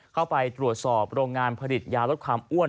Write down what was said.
เข้าไปตรวจสอบโรงงานผลิตยาลดความอ้วน